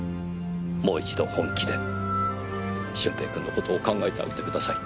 もう一度本気で駿平君の事を考えてあげてください。